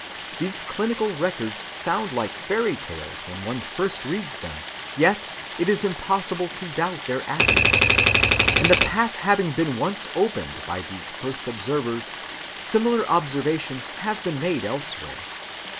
These clinical records sound like fairy‐tales when one first reads them, yet it is impossible to doubt their accuracy; and, the path having been once opened by these first observers, similar observations have been made elsewhere.